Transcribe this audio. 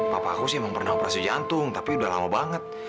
papa aku sih emang pernah operasi jantung tapi udah lama banget